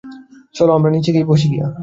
চলো, আমরা নীচে বসি গিয়া।